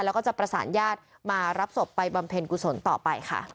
แล้วก็จะประสานญาติมารับศพไปบำเพ็ญกุศลต่อไปค่ะ